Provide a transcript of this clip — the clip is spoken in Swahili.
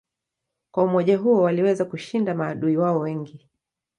Kwa umoja huo waliweza kushinda maadui wao wengi.